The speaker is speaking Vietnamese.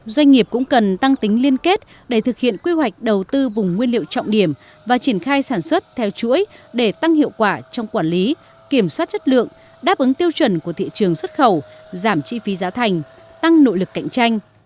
doanh nghiệp cũng cần tăng tính liên kết để thực hiện quy hoạch đầu tư vùng nguyên liệu trọng điểm và triển khai sản xuất theo chuỗi để tăng hiệu quả trong quản lý kiểm soát chất lượng đáp ứng tiêu chuẩn của thị trường xuất khẩu giảm chi phí giá thành tăng nội lực cạnh tranh